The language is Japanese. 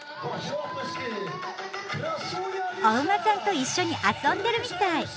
お馬さんと一緒に遊んでるみたい！